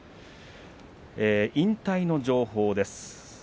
引退の情報です。